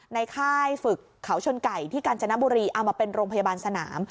ค่ายฝึกเขาชนไก่ที่กาญจนบุรีเอามาเป็นโรงพยาบาลสนาม